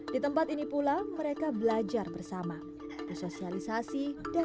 di tempat ini pula mereka belajar bersama bersosialisasi dan